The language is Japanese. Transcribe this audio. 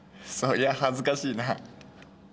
そりゃあ恥ずかしいな。